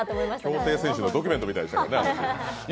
競艇選手のドキュメントみたいでしたね。